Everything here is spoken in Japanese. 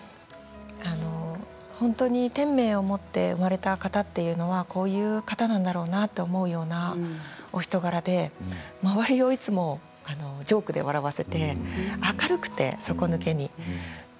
本当に天命を持って生まれた方というのはこういう方なんだろうなと思うようなお人柄で周りをいつもジョークで笑わせて明るくて底抜けに。